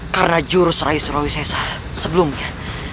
karena jurus rai surawi sesa sebelumnya